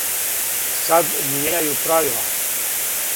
Сад мијењају правила.